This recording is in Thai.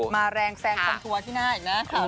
มาแรงแซงคอนตัวที่หน้าอีกนะครับ